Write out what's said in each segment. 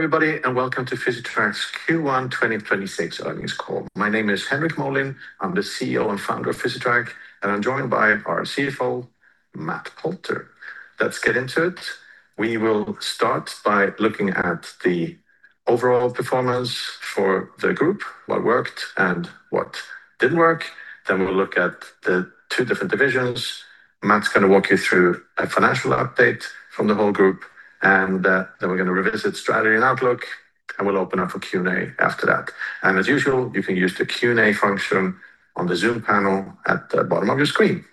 Hello everybody, and welcome to Physitrack's Q1 2026 Earnings Call. My name is Henrik Molin. I'm the CEO and founder of Physitrack, and I'm joined by our CFO, Matthew Poulter. Let's get into it. We will start by looking at the overall performance for the group, what worked and what didn't work. Then we'll look at the two different divisions. Matt's going to walk you through a financial update from the whole group, and then we're going to revisit strategy and outlook, and we'll open up for Q&A after that. As usual, you can use the Q&A function on the Zoom panel at the bottom of your screen.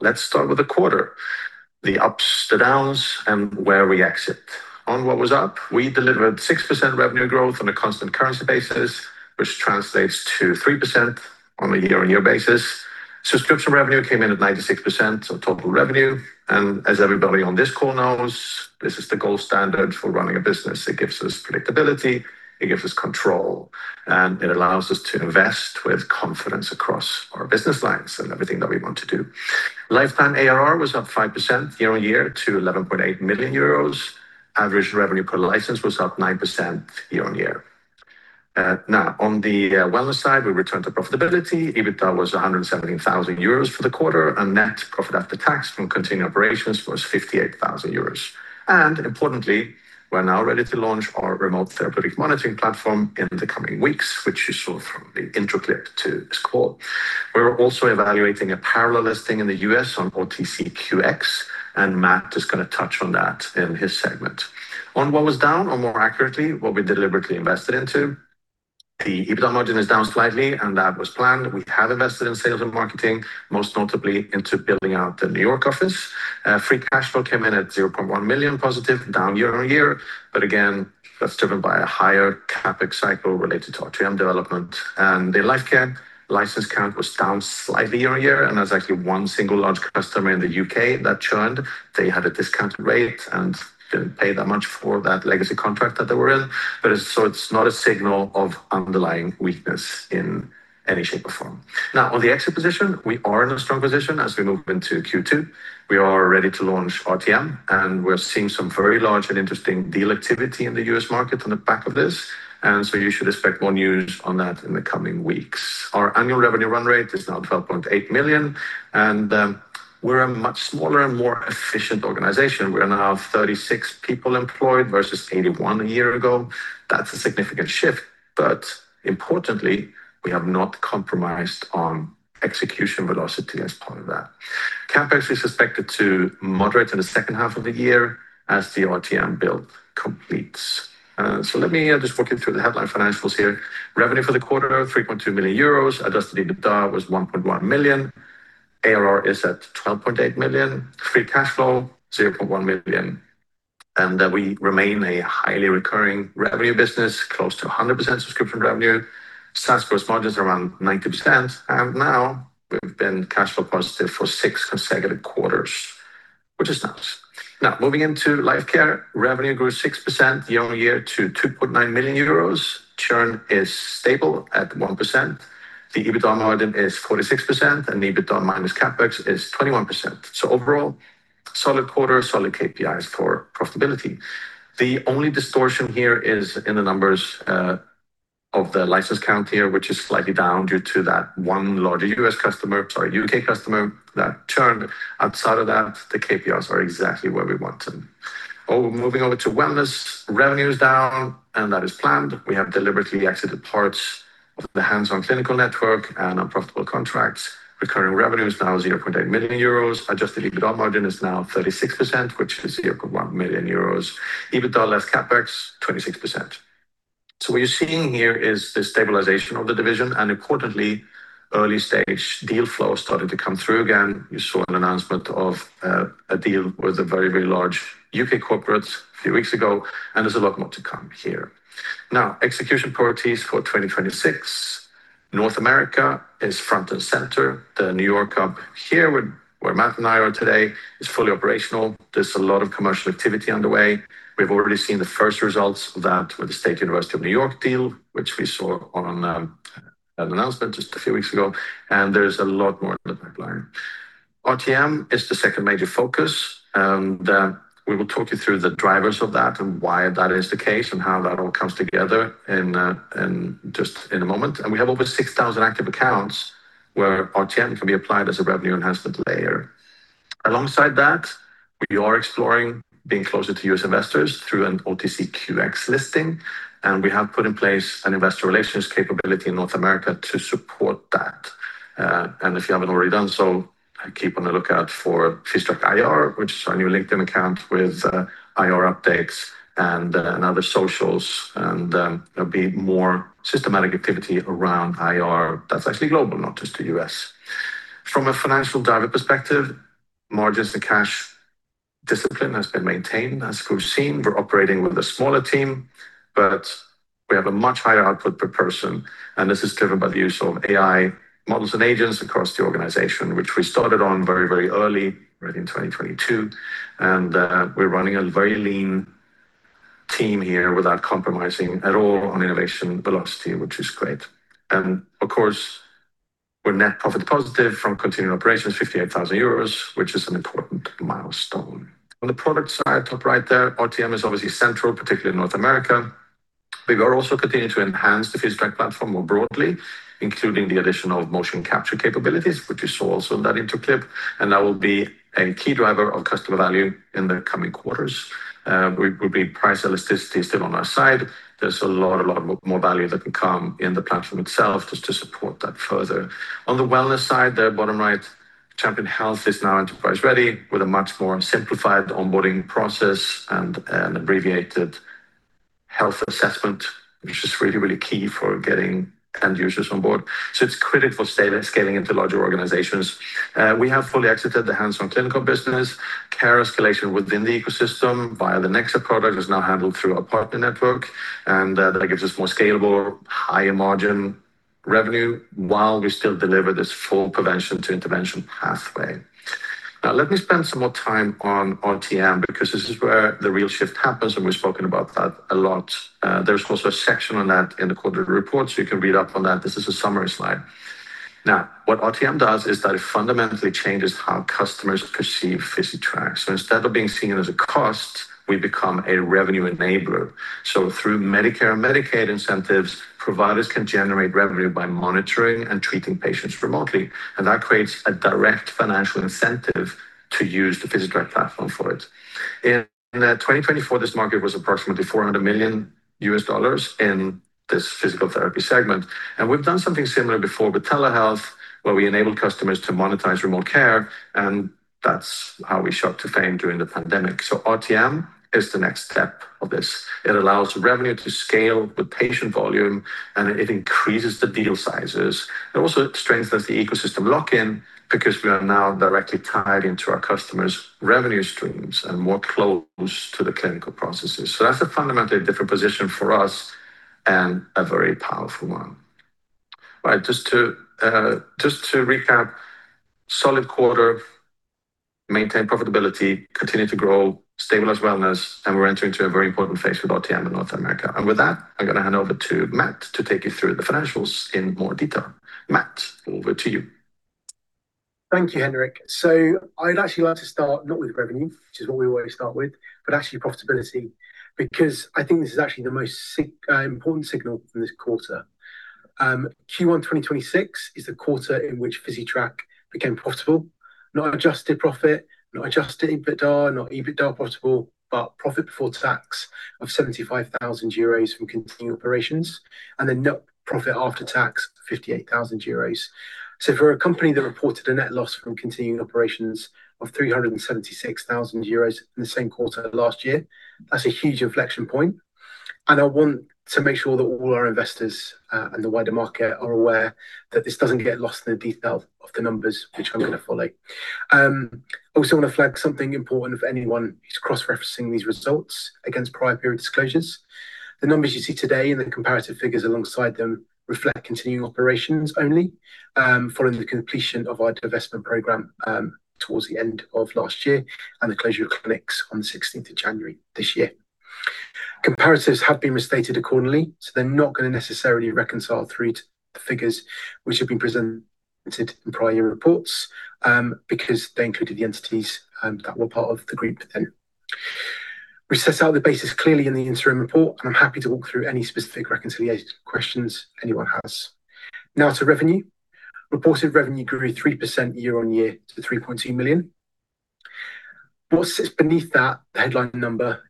Let's start with the quarter, the ups, the downs, and where we exit. On what was up, we delivered 6% revenue growth on a constant currency basis, which translates to 3% on a year-on-year basis. Subscription revenue came in at 96% of total revenue. As everybody on this call knows, this is the gold standard for running a business. It gives us predictability, it gives us control, and it allows us to invest with confidence across our business lines and everything that we want to do. Lifetime ARR was up 5% year-on-year to 11.8 million euros. Average revenue per license was up 9% year-on-year. Now, on the wellness side, we returned to profitability. EBITDA was 117,000 euros for the quarter, and net profit after tax from continuing operations was 58,000 euros. Importantly, we're now ready to launch our remote therapeutic monitoring platform in the coming weeks, which you saw from the intro clip to this call. We're also evaluating a parallel listing in the U.S. on OTCQX, and Matt is going to touch on that in his segment. On what was down or, more accurately, what we deliberately invested into. The EBITDA margin is down slightly, and that was planned. We have invested in sales and marketing, most notably into building out the New York office. Free cash flow came in at 0.1 million positive, down year-on-year. Again, that's driven by a higher CapEx cycle related to RTM development. The Lifecare license count was down slightly year-on-year, and there's actually one single large customer in the U.K. that churned. They had a discounted rate and didn't pay that much for that legacy contract that they were in. It's not a signal of underlying weakness in any shape or form. Now, on the exit position, we are in a strong position as we move into Q2. We are ready to launch RTM, and we're seeing some very large and interesting deal activity in the U.S. market on the back of this. You should expect more news on that in the coming weeks. Our annual revenue run rate is now 12.8 million, and we're a much smaller and more efficient organization. We're going to have 36 people employed versus 81 a year ago. That's a significant shift, but importantly, we have not compromised on execution velocity as part of that. CapEx is expected to moderate in the second half of the year as the RTM build completes. Let me just walk you through the headline financials here. Revenue for the quarter, 3.2 million euros. Adjusted EBITDA was 1.1 million. ARR is at 12.8 million. Free cash flow, 0.1 million. We remain a highly recurring revenue business, close to 100% subscription revenue. SaaS gross margins are around 90%, and now we've been cash flow positive for six consecutive quarters, which is nice. Now moving into Lifecare. Revenue grew 6% year-on-year to 2.9 million euros. Churn is stable at 1%, the EBITDA margin is 46%, and EBITDA minus CapEx is 21%. Overall, solid quarter, solid KPIs for profitability. The only distortion here is in the numbers of the license count here, which is slightly down due to that one larger U.S. customer, sorry, U.K. customer that churned. Outside of that, the KPIs are exactly where we want them. Moving over to wellness. Revenue is down and that is planned. We have deliberately exited parts of the hands-on clinical network and unprofitable contracts. Recurring revenue is now 0.8 million euros. Adjusted EBITDA margin is now 36%, which is 1 million euros. EBITDA less CapEx, 26%. What you're seeing here is the stabilization of the division and importantly, early-stage deal flow starting to come through again. You saw an announcement of a deal with a very, very large U.K. corporate a few weeks ago, and there's a lot more to come here. Now, execution priorities for 2026. North America is front and center. The New York hub here where Matt and I are today is fully operational. There's a lot of commercial activity underway. We've already seen the first results of that with the State University of New York deal, which we saw on an announcement just a few weeks ago. There's a lot more in the pipeline. RTM is the second major focus, and we will talk you through the drivers of that and why that is the case and how that all comes together in just a moment. We have over 6,000 active accounts where RTM can be applied as a revenue enhancement layer. Alongside that, we are exploring being closer to U.S. investors through an OTCQX listing, and we have put in place an investor relations capability in North America to support that. If you haven't already done so, keep on the lookout for Physitrack IR, which is our new LinkedIn account with IR updates and other socials. There'll be more systematic activity around IR that's actually global, not just the U.S. From a financial driver perspective, margins and cash discipline has been maintained, as we've seen. We're operating with a smaller team, but we have a much higher output per person, and this is driven by the use of AI models and agents across the organization, which we started on very, very early, right in 2022. We're running a very lean team here without compromising at all on innovation velocity, which is great. We're net profit positive from continuing operations 58,000 euros, which is an important milestone. On the product side, top right there, RTM is obviously central, particularly in North America. We are also continuing to enhance the Physitrack platform more broadly, including the addition of motion capture capabilities, which you saw also in that intro clip, and that will be a key driver of customer value in the coming quarters. We believe price elasticity is still on our side. There's a lot more value that can come in the platform itself just to support that further. On the wellness side there, bottom right, Champion Health is now enterprise-ready with a much more simplified onboarding process and an abbreviated health assessment, which is really, really key for getting end users on board. It's critical scaling into larger organizations. We have fully exited the hands-on clinical business. Care escalation within the ecosystem via the Nexa product is now handled through our partner network, and that gives us more scalable, higher margin revenue while we still deliver this full prevention to intervention pathway. Now, let me spend some more time on RTM, because this is where the real shift happens, and we've spoken about that a lot. There's also a section on that in the quarterly report, so you can read up on that. This is a summary slide. Now, what RTM does is that it fundamentally changes how customers perceive Physitrack. Instead of being seen as a cost, we become a revenue enabler. Through Medicare and Medicaid incentives, providers can generate revenue by monitoring and treating patients remotely, and that creates a direct financial incentive to use the Physitrack platform for it. In 2024, this market was approximately $400 million in this physical therapy segment. We've done something similar before with telehealth, where we enabled customers to monetize remote care, and that's how we shot to fame during the pandemic. RTM is the next step of this. It allows revenue to scale with patient volume, and it increases the deal sizes. It also strengthens the ecosystem lock-in because we are now directly tied into our customers' revenue streams and more close to the clinical processes. That's a fundamentally different position for us and a very powerful one. Right. Just to recap, solid quarter, maintained profitability, continued to grow, stabilized wellness, and we're entering into a very important phase with RTM in North America. With that, I'm going to hand over to Matt to take you through the financials in more detail. Matt, over to you. Thank you, Henrik. I'd actually like to start not with revenue, which is what we always start with, but actually profitability, because I think this is actually the most important signal from this quarter. Q1 2026 is the quarter in which Physitrack became profitable. Not adjusted profit, not Adjusted EBITDA, not EBITDA profitable, but profit before tax of €75,000 from continuing operations and then net profit after tax €58,000. For a company that reported a net loss from continuing operations of €376,000 in the same quarter last year, that's a huge inflection point. I want to make sure that all our investors and the wider market are aware that this doesn't get lost in the detail of the numbers, which I'm going to follow. I want to flag something important for anyone who's cross-referencing these results against prior period disclosures. The numbers you see today and the comparative figures alongside them reflect continuing operations only, following the completion of our divestment program towards the end of last year and the closure of clinics on the 16th of January this year. Comparatives have been restated accordingly, so they're not going to necessarily reconcile through to the figures which have been presented in prior year reports, because they included the entities that were part of the group then. We set out the basis clearly in the interim report, and I'm happy to walk through any specific reconciliation questions anyone has. Now to revenue. Reported revenue grew 3% year-on-year to 3.2 million. What sits beneath that headline number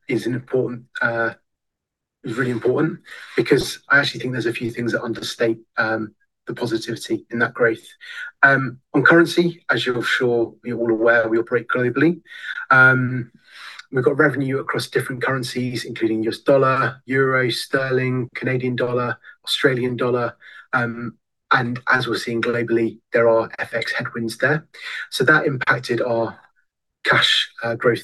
is really important because I actually think there's a few things that understate the positivity in that growth. On currency, as I'm sure you're all aware, we operate globally. We've got revenue across different currencies, including U.S. dollar, euro, sterling, Canadian dollar, Australian dollar, and as we're seeing globally, there are FX headwinds there. That impacted our cash growth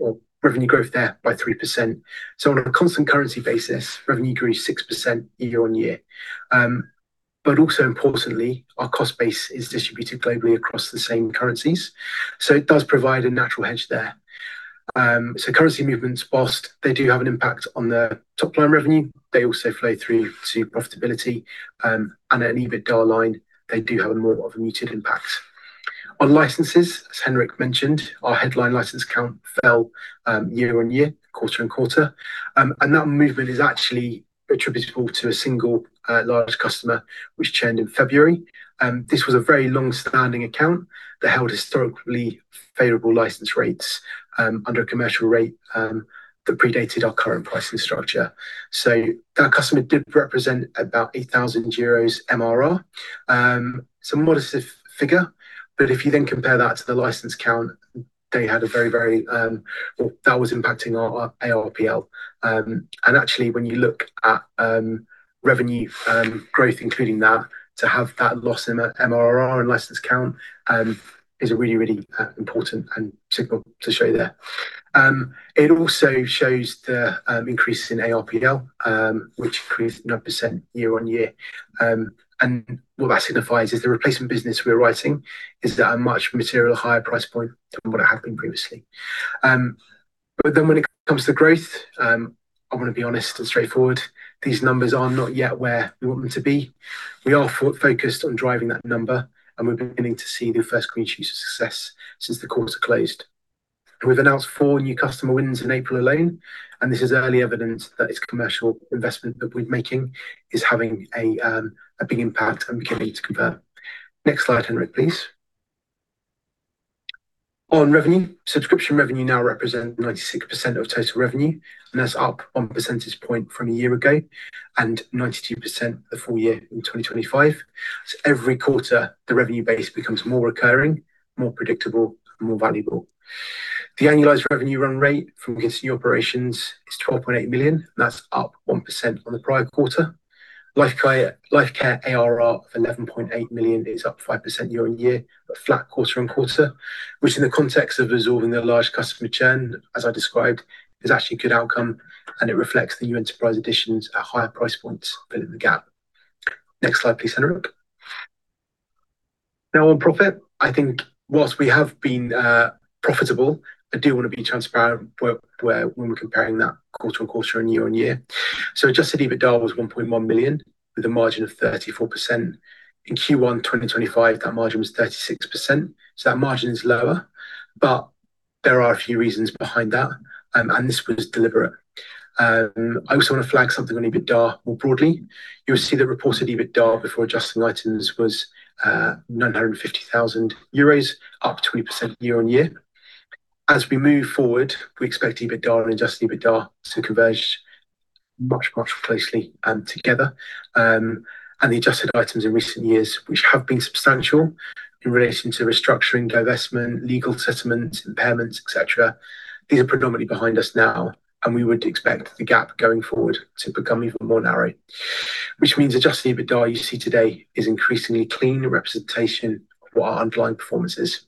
or revenue growth there by 3%. On a constant currency basis, revenue grew 6% year-on-year. Also importantly, our cost base is distributed globally across the same currencies, so it does provide a natural hedge there. Currency movements, while they do have an impact on the top-line revenue, they also flow through to profitability, and at an EBITDA line, they do have more of a muted impact. On licenses, as Henrik mentioned, our headline license count fell year-on-year, quarter-on-quarter. That movement is actually attributable to a single large customer which churned in February. This was a very long-standing account that held historically favorable license rates under a commercial rate that predated our current pricing structure. That customer did represent about 8,000 euros MRR. It's a modest figure, but if you then compare that to the license count, that was impacting our ARPL. Actually, when you look at revenue growth, including that, to have that loss in MRR and license count is a really, really important signal to show there. It also shows the increase in ARPL, which increased 9% year-on-year. What that signifies is the replacement business we're writing is at a much material higher price point than what it had been previously. When it comes to growth, I want to be honest and straightforward. These numbers are not yet where we want them to be. We are focused on driving that number, and we're beginning to see the first green shoots of success since the quarter closed. We've announced new new customer wins in April alone, and this is early evidence that this commercial investment that we're making is having a big impact, and we're beginning to convert. Next slide, Henrik, please. On revenue, subscription revenue now represent 96% of total revenue, and that's up one percentage point from a year ago, and 92% the full year in 2025. Every quarter, the revenue base becomes more recurring, more predictable, and more valuable. The annualized revenue run rate from continued operations is 12.8 million, and that's up 1% on the prior quarter. Lifecare ARR of 11.8 million is up 5% year-over-year, but flat quarter-over-quarter, which in the context of resolving the large customer churn, as I described, is actually a good outcome, and it reflects the new enterprise additions at higher price points filling the gap. Next slide, please, Henrik. Now on profit, I think while we have been profitable, I do want to be transparent when we're comparing that quarter-over-quarter and year-over-year. Adjusted EBITDA was 1.1 million, with a margin of 34%. In Q1 2025, that margin was 36%, so that margin is lower. There are a few reasons behind that, and this was deliberate. I also want to flag something on EBITDA more broadly. You'll see the reported EBITDA before adjusting items was 950,000 euros, up 20% year-over-year. As we move forward, we expect EBITDA and Adjusted EBITDA to converge much more closely together. The adjusted items in recent years, which have been substantial in relation to restructuring, divestment, legal settlements, impairments, et cetera, these are predominantly behind us now, and we would expect the gap going forward to become even more narrow. Which means Adjusted EBITDA you see today is increasingly clean representation of what our underlying performance is.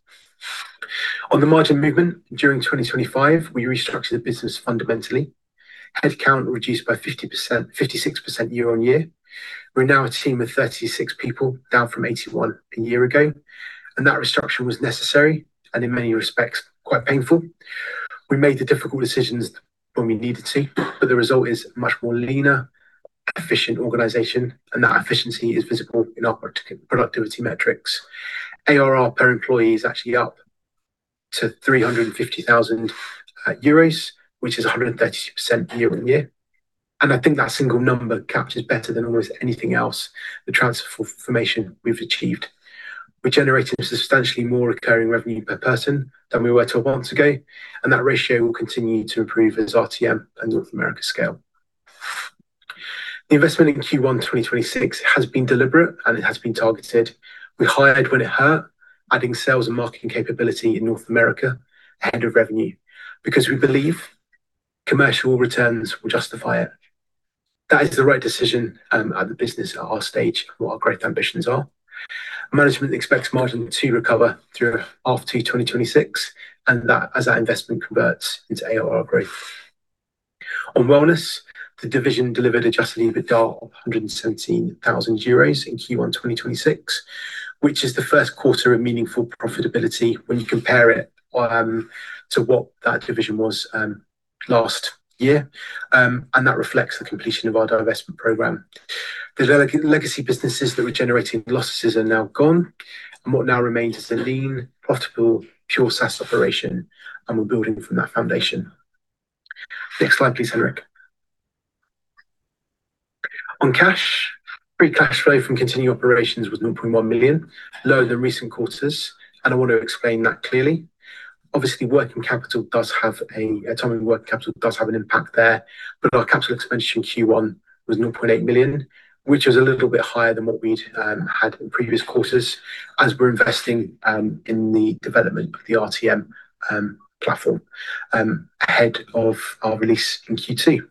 On the margin movement, during 2025, we restructured the business fundamentally. Headcount reduced by 56% year-on-year. We're now a team of 36 people, down from 81 a year ago. That restructure was necessary, and in many respects, quite painful. We made the difficult decisions when we needed to, but the result is much leaner, efficient organization, and that efficiency is visible in our productivity metrics. ARR per employee is actually up to 350,000 euros, which is 132% year-on-year. I think that single number captures better than almost anything else the transformation we've achieved. We're generating substantially more recurring revenue per person than we were 12 months ago, and that ratio will continue to improve as RTM and North America scale. The investment in Q1 2026 has been deliberate and it has been targeted. We hired when it hurt, adding sales and marketing capability in North America ahead of revenue because we believe commercial returns will justify it. That is the right decision at the business at our stage and what our growth ambitions are. Management expects margin to recover through half two 2026 and as that investment converts into ARR growth. On wellness, the division delivered Adjusted EBITDA of EUR 117,000 in Q1 2026, which is the first quarter of meaningful profitability when you compare it to what that division was last year, and that reflects the completion of our divestment program. The legacy businesses that were generating losses are now gone, and what now remains is a lean, profitable, pure SaaS operation, and we're building from that foundation. Next slide, please, Henrik. On cash, free cash flow from continuing operations was 0.1 million, lower than recent quarters, and I want to explain that clearly. Obviously, working capital does have an impact there, but our capital expenditure in Q1 was 0.8 million, which was a little bit higher than what we'd had in previous quarters as we're investing in the development of the RTM platform ahead of our release in Q2.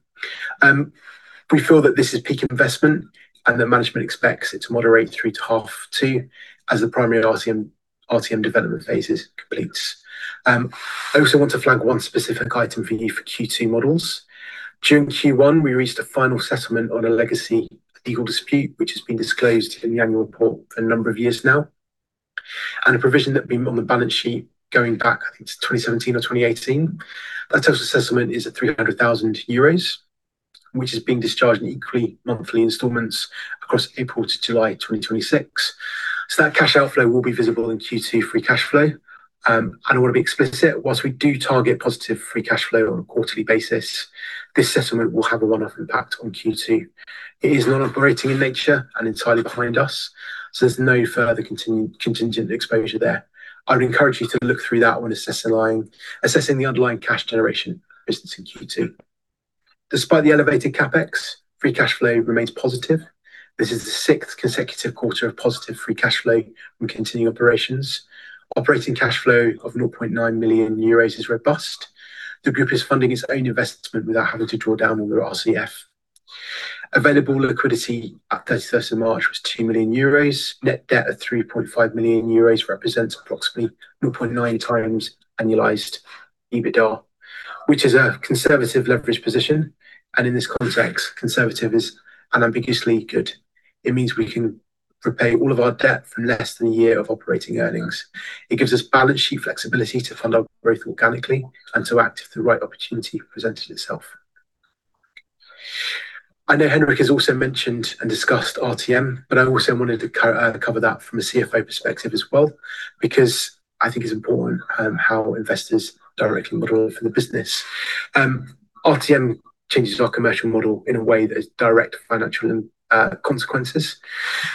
We feel that this is peak investment and that management expects it to moderate through to half two as the primary RTM development phase is complete. I also want to flag one specific item for you for Q2 models. During Q1, we reached a final settlement on a legacy legal dispute, which has been disclosed in the annual report for a number of years now. A provision that had been on the balance sheet going back, I think, to 2017 or 2018. That total assessment is at 300,000 euros, which is being discharged in equal monthly installments across April to July 2026. That cash outflow will be visible in Q2 free cash flow. I want to be explicit, while we do target positive free cash flow on a quarterly basis, this settlement will have a one-off impact on Q2. It is non-operating in nature and entirely behind us, so there's no further contingent exposure there. I would encourage you to look through that when assessing the underlying cash generation of the business in Q2. Despite the elevated CapEx, free cash flow remains positive. This is the sixth consecutive quarter of positive free cash flow from continuing operations. Operating cash flow of 0.9 million euros is robust. The group is funding its own investment without having to draw down on the RCF. Available liquidity at 31st of March was 2 million euros. Net debt of 3.5 million euros represents approximately 0.9x annualized EBITDA, which is a conservative leverage position, and in this context, conservative is unambiguously good. It means we can repay all of our debt from less than a year of operating earnings. It gives us balance sheet flexibility to fund our growth organically and to act if the right opportunity presented itself. I know Henrik has also mentioned and discussed RTM, but I also wanted to cover that from a CFO perspective as well, because I think it's important how investors directly model it for the business. RTM changes our commercial model in a way that has direct financial consequences.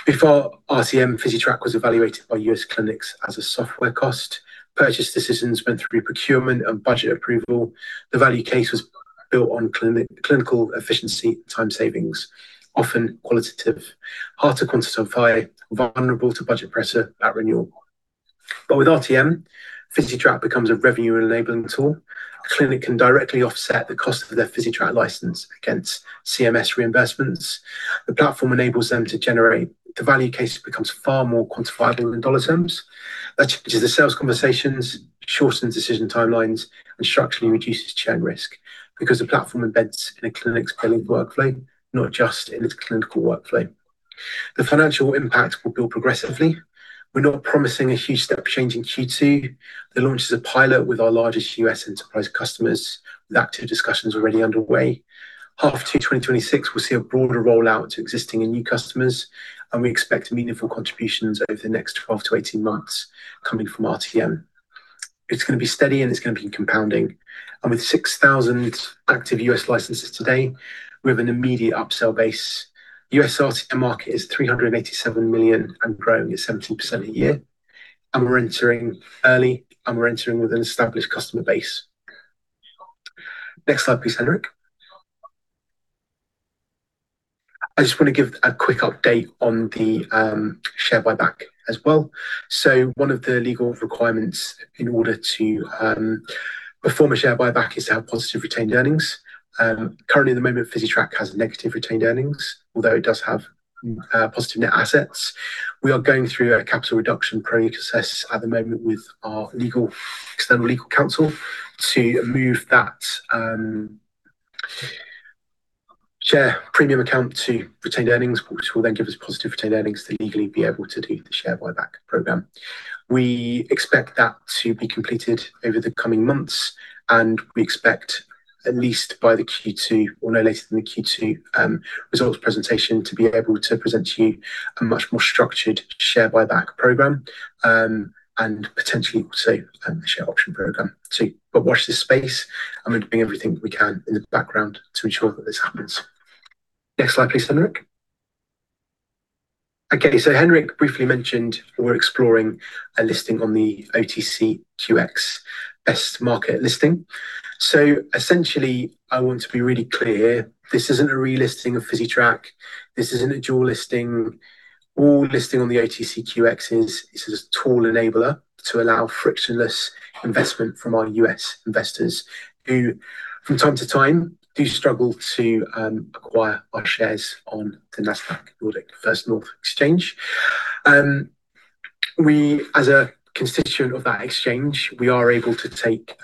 Before RTM, Physitrack was evaluated by U.S. clinics as a software cost. Purchase decisions went through procurement and budget approval. The value case was built on clinical efficiency, time savings, often qualitative, hard to quantify, vulnerable to budget pressure at renewal. With RTM, Physitrack becomes a revenue-enabling tool. A clinic can directly offset the cost of their Physitrack license against CMS reimbursements. The platform enables them to generate. The value case becomes far more quantifiable in dollar terms. That changes the sales conversations, shortens decision timelines, and structurally reduces churn risk because the platform embeds in a clinic's billing workflow, not just in its clinical workflow. The financial impact will build progressively. We're not promising a huge step change in Q2. The launch is a pilot with our largest U.S. enterprise customers with active discussions already underway. Half 2026, we'll see a broader rollout to existing and new customers, and we expect meaningful contributions over the next 12-18 months coming from RTM. It's going to be steady, and it's going to be compounding. With 6,000 active U.S. licenses today, we have an immediate upsell base. U.S. RTM market is $387 million and growing at 17% a year. We're entering early, and we're entering with an established customer base. Next slide, please, Henrik. I just want to give a quick update on the share buyback as well. One of the legal requirements in order to perform a share buyback is to have positive retained earnings. Currently at the moment, Physitrack has negative retained earnings, although it does have positive net assets. We are going through a capital reduction process at the moment with our external legal counsel to move that share premium account to retained earnings, which will then give us positive retained earnings to legally be able to do the share buyback program. We expect that to be completed over the coming months, and we expect at least by the Q2 or no later than the Q2 results presentation to be able to present to you a much more structured share buyback program, and potentially also the share option program too. Watch this space, and we're doing everything we can in the background to ensure that this happens. Next slide, please, Henrik. Okay. Henrik briefly mentioned we're exploring a listing on the OTCQX Best Market. Essentially, I want to be really clear, this isn't a relisting of Physitrack. This isn't a dual listing. Our listing on the OTCQX is a tool enabler to allow frictionless investment from our U.S. investors who from time to time do struggle to acquire our shares on the Nasdaq First North Growth Market. We, as a constituent of that exchange, are able to take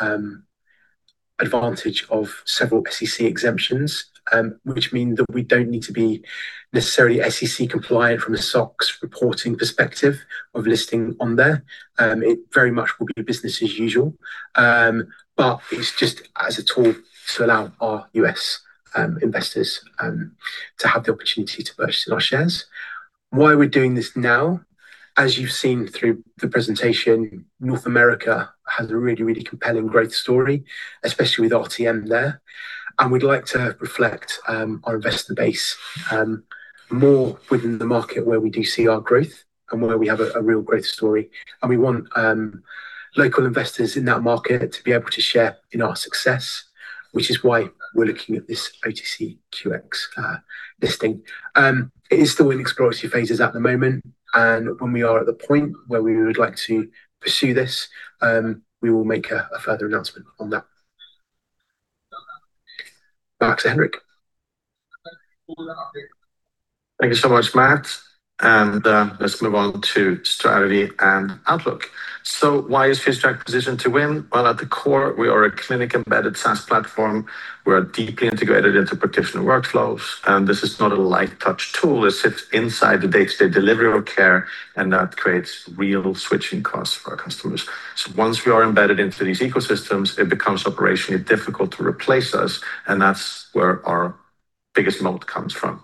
advantage of several SEC exemptions, which mean that we don't need to be necessarily SEC compliant from a SOX reporting perspective of listing on there. It very much will be business as usual, but it's just a tool to allow our U.S. investors to have the opportunity to purchase our shares. Why are we doing this now? As you've seen through the presentation, North America has a really, really compelling growth story, especially with RTM there. We'd like to reflect our investor base more within the market where we do see our growth and where we have a real growth story. We want local investors in that market to be able to share in our success, which is why we're looking at this OTCQX listing. It is still in exploratory phases at the moment, and when we are at the point where we would like to pursue this, we will make a further announcement on that. Back to Henrik. Thank you so much, Matt. Let's move on to strategy and outlook. Why is Physitrack positioned to win? Well, at the core, we are a clinic-embedded SaaS platform. We are deeply integrated into practitioner workflows, and this is not a light touch tool. This sits inside the day-to-day delivery of care, and that creates real switching costs for our customers. Once we are embedded into these ecosystems, it becomes operationally difficult to replace us, and that's where our biggest moat comes from.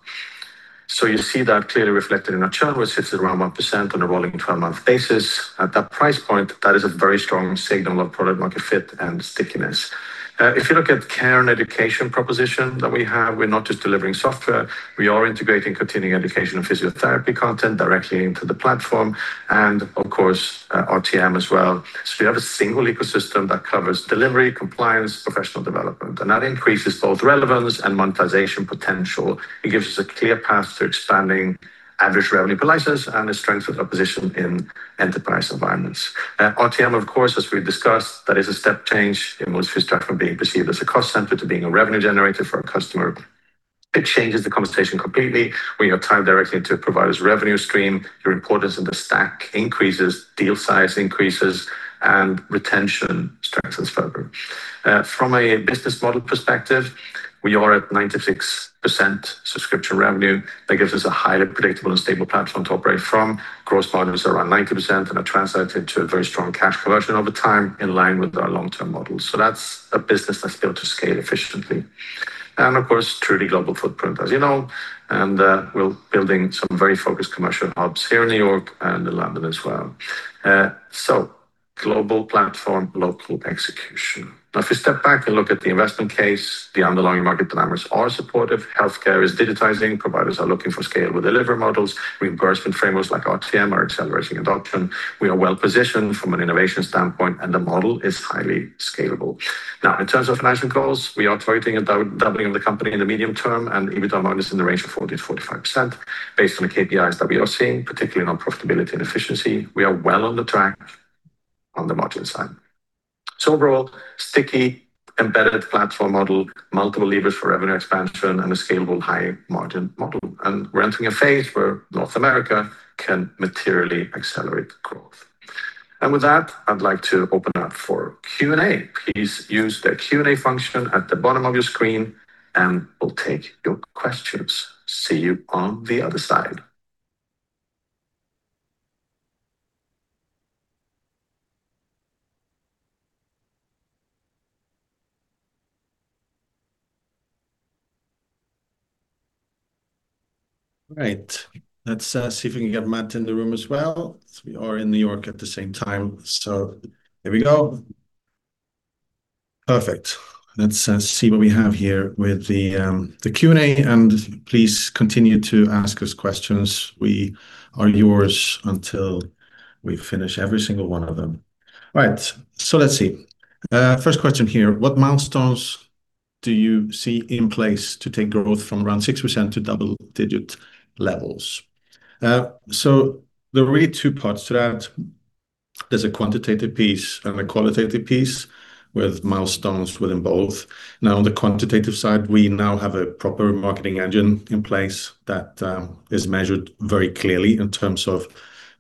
You see that clearly reflected in our churn, which sits at around 1% on a rolling 12-month basis. At that price point, that is a very strong signal of product market fit and stickiness. If you look at care and education proposition that we have, we're not just delivering software. We are integrating continuing education and physiotherapy content directly into the platform and of course, RTM as well. We have a single ecosystem that covers delivery, compliance, professional development, and that increases both relevance and monetization potential. It gives us a clear path to expanding average revenue per license and has strengthened our position in enterprise environments. RTM, of course, as we discussed, that is a step change. It moves Physitrack from being perceived as a cost center to being a revenue generator for our customer. It changes the conversation completely when you're tied directly into a provider's revenue stream, your importance in the stack increases, deal size increases, and retention strengthens further. From a business model perspective, we are at 96% subscription revenue. That gives us a highly predictable and stable platform to operate from. Gross margin is around 90% and that translates into a very strong cash conversion over time, in line with our long-term model. That's a business that's built to scale efficiently. Of course, truly global footprint, as you know, and we're building some very focused commercial hubs here in New York and in London as well. Global platform, local execution. Now, if we step back and look at the investment case, the underlying market dynamics are supportive. Healthcare is digitizing. Providers are looking for scale with delivery models. Reimbursement frameworks like RTM are accelerating adoption. We are well-positioned from an innovation standpoint, and the model is highly scalable. Now, in terms of financial goals, we are targeting a doubling of the company in the medium term, and EBITDA margin is in the range of 40%-45% based on the KPIs that we are seeing, particularly on profitability and efficiency. We are well on the track on the margin side. Overall, sticky embedded platform model, multiple levers for revenue expansion, and a scalable high-margin model. We're entering a phase where North America can materially accelerate growth. With that, I'd like to open up for Q&A. Please use the Q&A function at the bottom of your screen, and we'll take your questions. See you on the other side. All right. Let's see if we can get Matt in the room as well, since we are in New York at the same time. There we go. Perfect. Let's see what we have here with the Q&A, and please continue to ask us questions. We are yours until we finish every single one of them. All right, let's see. First question here: what milestones do you see in place to take growth from around 6% to double-digit levels? There are really two parts to that. There's a quantitative piece and a qualitative piece with milestones within both. Now, on the quantitative side, we now have a proper marketing engine in place that is measured very clearly in terms of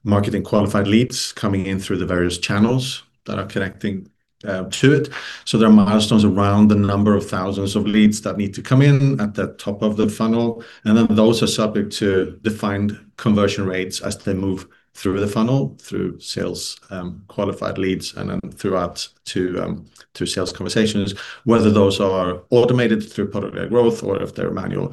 marketing qualified leads coming in through the various channels that are connecting to it. There are milestones around the number of thousands of leads that need to come in at the top of the funnel, and then those are subject to defined conversion rates as they move through the funnel, through sales qualified leads and then throughout to sales conversations, whether those are automated through product-led growth or if they're manual.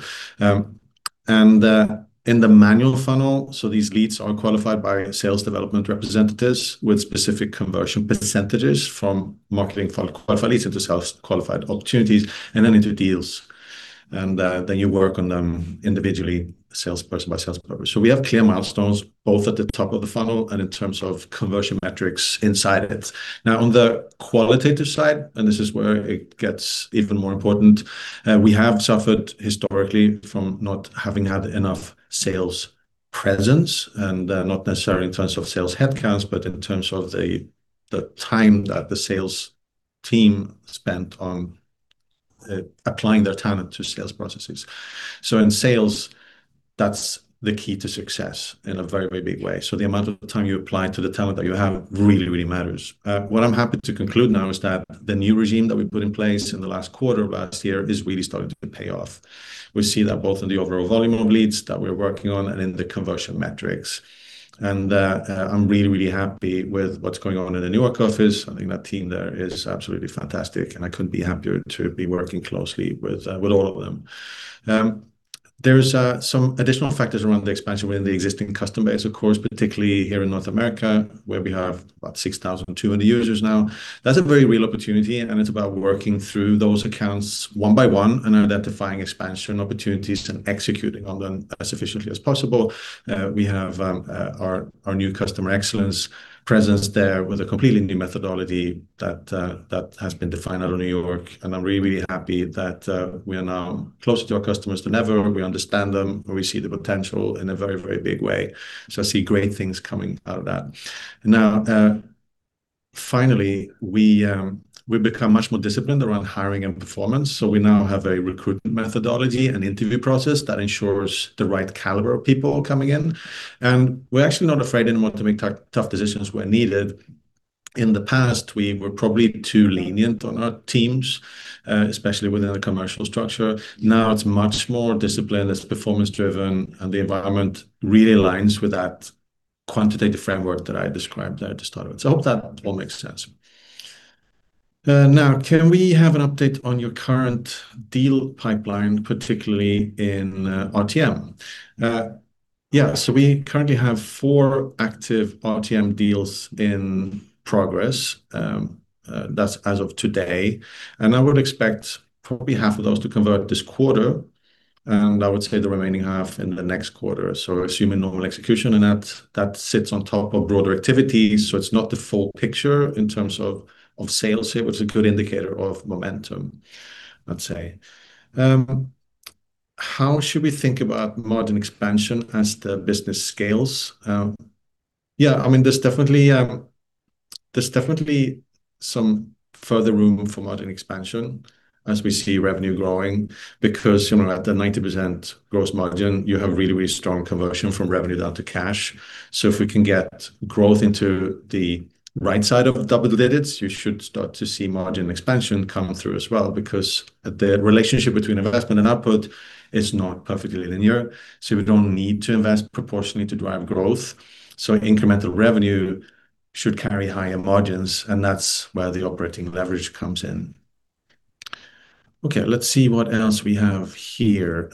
In the manual funnel, so these leads are qualified by sales development representatives with specific conversion percentages from marketing qualified leads into sales qualified opportunities and then into deals. Then you work on them individually, salesperson by salesperson. We have clear milestones both at the top of the funnel and in terms of conversion metrics inside it. Now, on the qualitative side, and this is where it gets even more important, we have suffered historically from not having had enough sales presence, and not necessarily in terms of sales headcounts, but in terms of the time that the sales team spent on applying their talent to sales processes. In sales, that's the key to success in a very big way. The amount of time you apply to the talent that you have really matters. What I'm happy to conclude now is that the new regime that we put in place in the last quarter of last year is really starting to pay off. We see that both in the overall volume of leads that we're working on and in the conversion metrics. I'm really happy with what's going on in the Newark office. I think that team there is absolutely fantastic, and I couldn't be happier to be working closely with all of them. There's some additional factors around the expansion within the existing customer base, of course, particularly here in North America, where we have about 6,200 users now. That's a very real opportunity, and it's about working through those accounts one by one and identifying expansion opportunities and executing on them as efficiently as possible. We have our new customer excellence presence there with a completely new methodology that has been defined out of New York, and I'm really happy that we are now closer to our customers than ever. We understand them, and we see the potential in a very big way. I see great things coming out of that. Now, finally, we've become much more disciplined around hiring and performance. We now have a recruitment methodology and interview process that ensures the right caliber of people coming in, and we're actually not afraid anymore to make tough decisions where needed. In the past, we were probably too lenient on our teams, especially within the commercial structure. Now it's much more disciplined, it's performance-driven, and the environment really aligns with that quantitative framework that I described there at the start of it. I hope that all makes sense. Now, can we have an update on your current deal pipeline, particularly in RTM? Yeah. We currently have four active RTM deals in progress. That's as of today, and I would expect probably half of those to convert this quarter, and I would say the remaining half in the next quarter. Assuming normal execution in that sits on top of broader activities. It's not the full picture in terms of sales here, but it's a good indicator of momentum, I'd say. How should we think about margin expansion as the business scales? Yeah, I mean, there's definitely some further room for margin expansion as we see revenue growing, because at the 90% gross margin, you have really strong conversion from revenue down to cash. If we can get growth into the right side of double digits, you should start to see margin expansion come through as well, because the relationship between investment and output is not perfectly linear, so we don't need to invest proportionally to drive growth. Incremental revenue should carry higher margins, and that's where the operating leverage comes in. Okay, let's see what else we have here.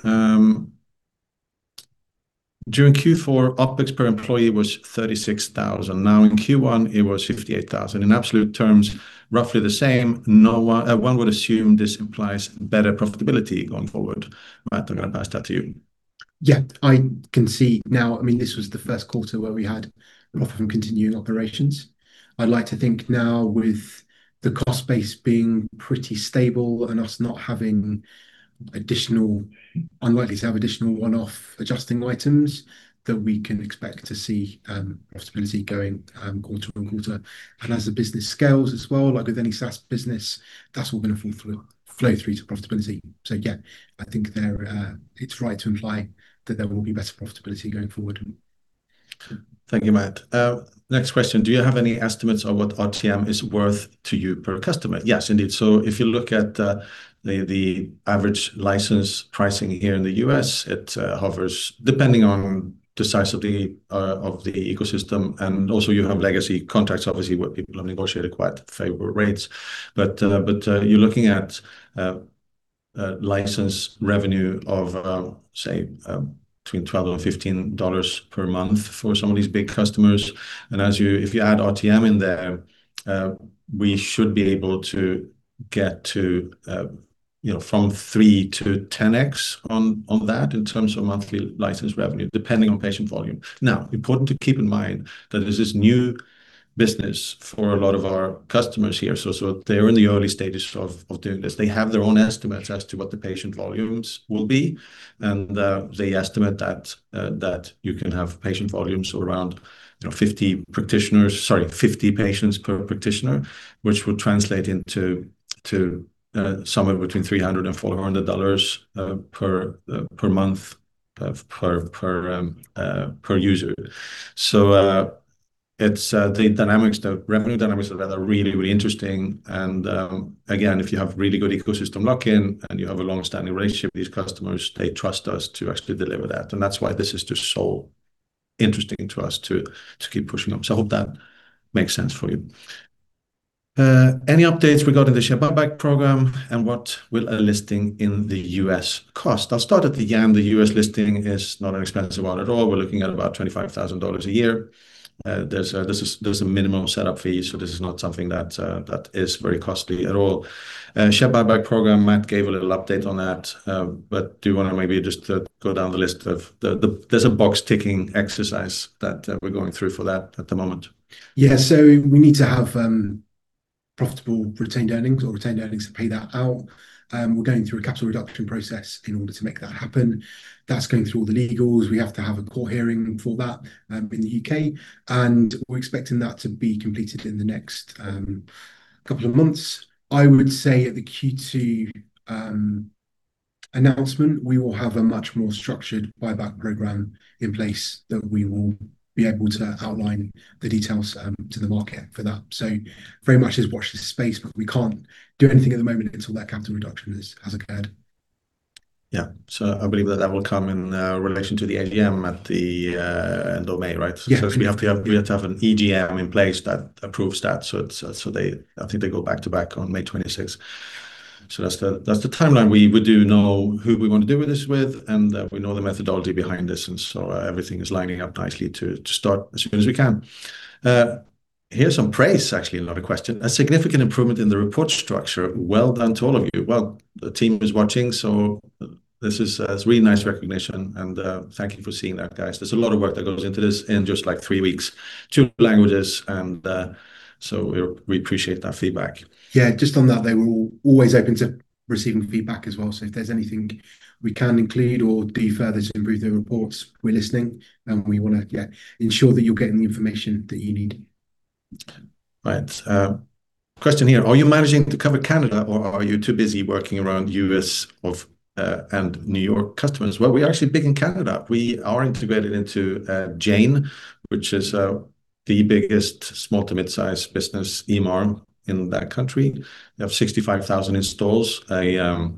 During Q4, OpEx per employee was 36,000. Now, in Q1, it was 58,000. In absolute terms, roughly the same. One would assume this implies better profitability going forward. Matt, I'm going to pass that to you. Yeah, I can see now. This was the first quarter where we had them off from continuing operations. I'd like to think now with the cost base being pretty stable and us not having additional, unlikely to have additional one-off adjusting items, that we can expect to see profitability going quarter-over-quarter. As the business scales as well, like with any SaaS business, that's all going to flow through to profitability. Yeah, I think it's right to imply that there will be better profitability going forward. Thank you, Matt. Next question. Do you have any estimates of what RTM is worth to you per customer? Yes, indeed. If you look at the average license pricing here in the U.S., it hovers depending on the size of the ecosystem. You have legacy contracts, obviously, where people have negotiated quite favorable rates. You're looking at license revenue of, say, between $12-$15 per month for some of these big customers. If you add RTM in there, we should be able to get to from 3-10x on that in terms of monthly license revenue, depending on patient volume. Now, important to keep in mind that this is new business for a lot of our customers here, so they're in the early stages of doing this. They have their own estimates as to what the patient volumes will be, and they estimate that you can have patient volumes of around 50 patients per practitioner, which would translate into somewhere between $300-$400 per month per user. The revenue dynamics of that are really interesting. Again, if you have really good ecosystem lock-in and you have a long-standing relationship with these customers, they trust us to actually deliver that. That's why this is just so interesting to us to keep pushing on. I hope that makes sense for you. Any updates regarding the share buyback program, and what will a listing in the U.S. cost? I'll start at the end. The U.S. listing is not an expensive one at all. We're looking at about $25,000 a year. There's a minimum setup fee, so this is not something that is very costly at all. Share buyback program. Matt gave a little update on that. Do you want to maybe just go down the list. There's a box-ticking exercise that we're going through for that at the moment. Yeah. We need to have profitable retained earnings or retained earnings to pay that out. We're going through a capital reduction process in order to make that happen. That's going through all the legals. We have to have a court hearing for that in the U.K., and we're expecting that to be completed in the next couple of months. I would say at the Q2 announcement, we will have a much more structured buyback program in place that we will be able to outline the details to the market for that. Very much is watch this space, but we can't do anything at the moment until that capital reduction has occurred. Yeah. I believe that that will come in relation to the AGM at the end of May, right? Yeah. We have to have an EGM in place that approves that. I think they go back-to-back on May 26th. That's the timeline. We do know who we want to do this with, and we know the methodology behind this, and so everything is lining up nicely to start as soon as we can. Here's some praise, actually, another question. A significant improvement in the report structure. Well done to all of you. Well, the team is watching, so this is a really nice recognition, and thank you for seeing that, guys. There's a lot of work that goes into this in just three weeks. Two languages, and so we appreciate that feedback. Yeah. Just on that, they were always open to receiving feedback as well. If there's anything we can include or do further to improve the reports, we're listening, and we want to, yeah, ensure that you're getting the information that you need. Right. Question here. Are you managing to cover Canada, or are you too busy working around U.S. and New York customers? Well, we're actually big in Canada. We are integrated into Jane, which is the biggest small to mid-size business EMR in that country. They have 65,000 installs. So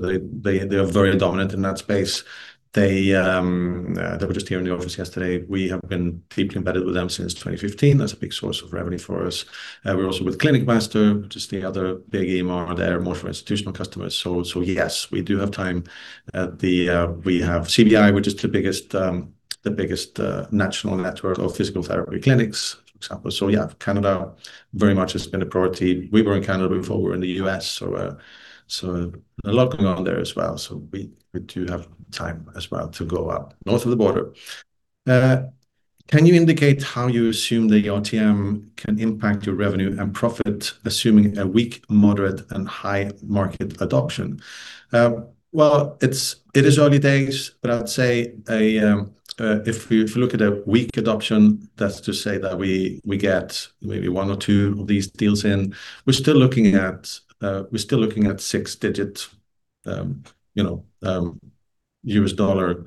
they are very dominant in that space. They were just here in the office yesterday. We have been deeply embedded with them since 2015. That's a big source of revenue for us. We're also with Clinicmaster, which is the other big EMR there, more for institutional customers. So yes, we do have time. We have CBI, which is the biggest national network of physical therapy clinics, for example. So yeah, Canada very much has been a priority. We were in Canada before we were in the U.S., so a lot going on there as well. We do have time as well to go up north of the border. Can you indicate how you assume the RTM can impact your revenue and profit, assuming a weak, moderate, and high market adoption? Well, it is early days, but I would say if you look at a weak adoption, that's to say that we get maybe one or two of these deals in. We're still looking at six-digit U.S. dollar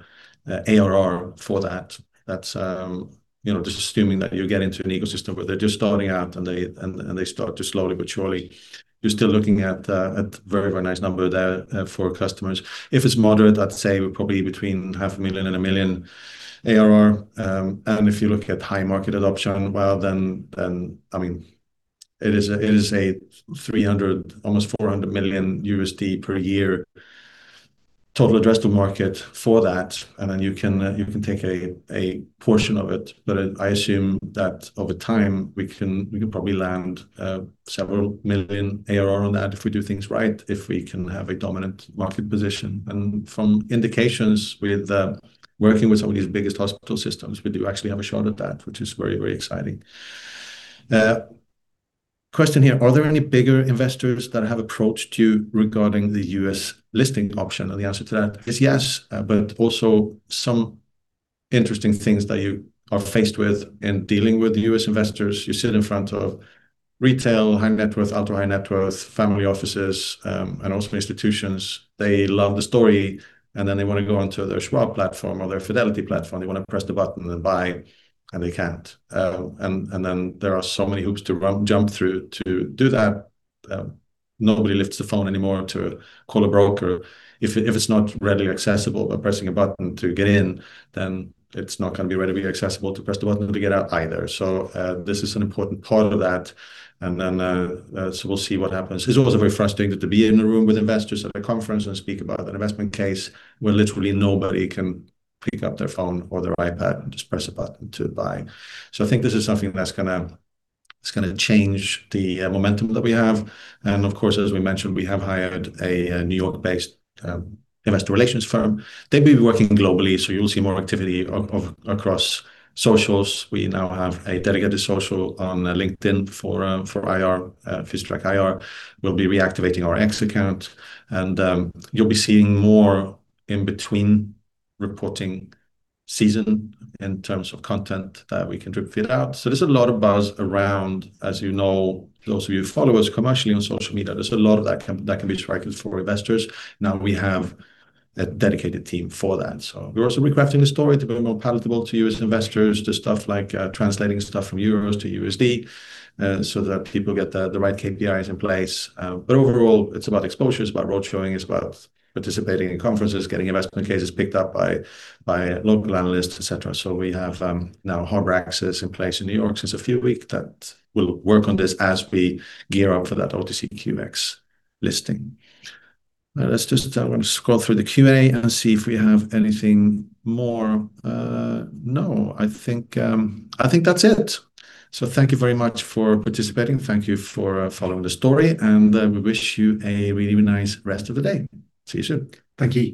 ARR for that. That's just assuming that you get into an ecosystem where they're just starting out and they start to slowly but surely. You're still looking at a very, very nice number there for customers. If it's moderate, I'd say probably between half a million and a million USD ARR. If you look at high market adoption, well then, it is a $300 million, almost $400 million per year total addressable market for that. Then you can take a portion of it. I assume that over time, we can probably land several million ARR on that if we do things right, if we can have a dominant market position. From indications with working with some of these biggest hospital systems, we do actually have a shot at that, which is very, very exciting. Question here. Are there any bigger investors that have approached you regarding the U.S. listing option? The answer to that is yes, but also some interesting things that you are faced with in dealing with the U.S. investors. You sit in front of retail, high net worth, ultra-high net worth, family offices, and also institutions. They love the story, and then they want to go onto their Schwab platform or their Fidelity platform. They want to press the button and buy, and they can't. There are so many hoops to jump through to do that. Nobody lifts the phone anymore to call a broker. If it's not readily accessible by pressing a button to get in, then it's not going to be readily accessible to press the button to get out either. This is an important part of that, and then so we'll see what happens. It's also very frustrating to be in a room with investors at a conference and speak about an investment case where literally nobody can pick up their phone or their iPad and just press a button to buy. I think this is something that's going to change the momentum that we have. Of course, as we mentioned, we have hired a New York-based investor relations firm. They've been working globally, so you'll see more activity across socials. We now have a dedicated social on LinkedIn for IR, Physitrack IR. We'll be reactivating our X account, and you'll be seeing more in between reporting season in terms of content that we can drip feed out. There's a lot of buzz around, as you know, those of you who follow us commercially on social media. There's a lot of that can be tracked for investors. Now we have a dedicated team for that. We're also recrafting the story to be more palatable to U.S. investors, to stuff like translating stuff from euros to USD so that people get the right KPIs in place. Overall, it's about exposure, it's about road showing, it's about participating in conferences, getting investment cases picked up by local analysts, et cetera. We have now Harbor Access in place in New York since a few weeks that will work on this as we gear up for that OTCQX listing. Let's just scroll through the QA and see if we have anything more. No, I think that's it. Thank you very much for participating. Thank you for following the story, and we wish you a really nice rest of the day. See you soon. Thank you.